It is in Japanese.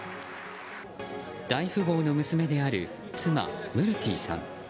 大富豪の娘である妻ムルティさん。